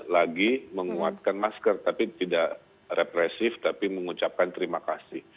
lagi menguatkan masker tapi tidak represif tapi mengucapkan terima kasih